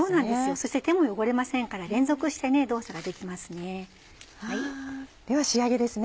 そして手も汚れませんから連続して動作ができますね。